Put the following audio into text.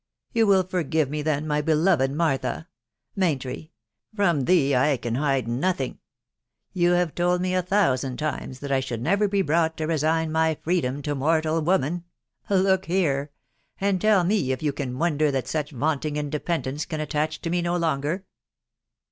You will forgive me, then, my beloved Martha !.... .Maintry .... from thee I can hide nothing !.... you hart told me a thousand times that 1 should never be brought to resign my freedom to mortal woman. ••• Look here !.•. and tell me if you can wonder that such vaunting indepen dence can attach to me no longer